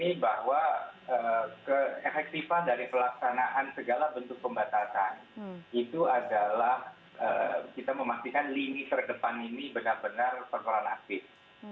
baik bahwa yang paling penting sekarang ini bahwa efektifan dari pelaksanaan segala bentuk pembatasan itu adalah kita memastikan lini terdepan ini benar benar perperanan aktif